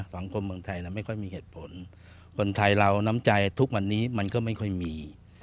สังคมเมืองไทยไม่ค่อยมีเหตุผลคนไทยเราน้ำใจทุกวันนี้มันก็ไม่ค่อยมี